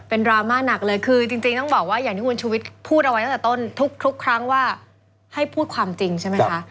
เป็นดราม่าหนักเลยคือจริงต้องบอกว่าอย่างที่คุณชุวิตพูดเอาไว้ตั้งแต่ต้นทุกครั้งว่าให้พูดความจริงใช่ไหมคะ